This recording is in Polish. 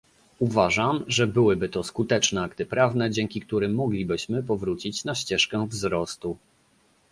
Uważam, że byłyby to skuteczne akty prawne, dzięki którym moglibyśmy powrócić na ścieżkę wzrostu